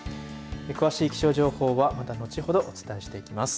詳しい気象情報はまた後ほどお伝えしていきます。